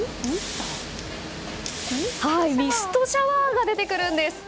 ミストシャワーが出てくるんです。